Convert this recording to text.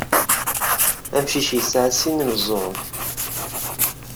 Amcic yesɛa sin n yimeẓẓuɣen.